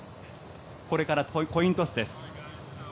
これからコイントスです。